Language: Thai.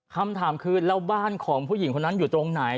คำถามคือแล้วบ้านของผู้หญิงคนนั้นอยู่ตรงไหน